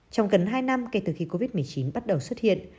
trong gần hai năm kể từ khi covid một mươi chín bắt đầu xuất hiện